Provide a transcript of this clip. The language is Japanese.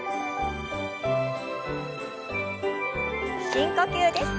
深呼吸です。